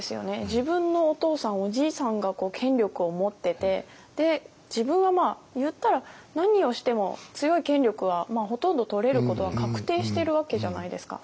自分のお父さんおじいさんが権力を持ってて自分はまあ言ったら何をしても強い権力はほとんど取れることは確定してるわけじゃないですか。